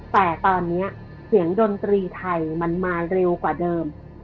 แต่ตอนนี้เสียงดนตรีไทยมันมาเร็วกว่าเดิม